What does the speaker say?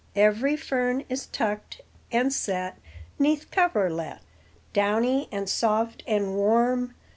Every Fern is tucked and set 'Neath coverlet, Downy and soft and warm.